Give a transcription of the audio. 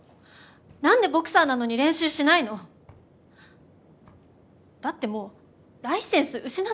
なんでボクサーなのに練習しないの⁉だってもうライセンス失っちゃうんでしょ⁉